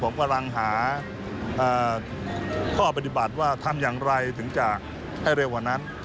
ผมกำลังหาข้อปฏิบัติว่าทำอย่างไรถึงจะให้เร็วกว่านั้น